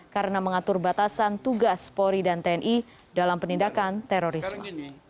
karena mengatur batasan tugas polri dan tni dalam penindakan terorisme